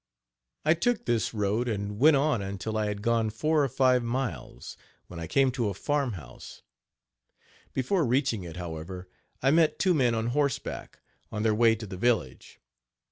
I took this road and went on until I had gone four or five miles, when I came to a farm house. Before reaching it, however, I met two men on horseback, on their way to the village.